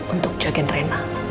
untuk jagain rena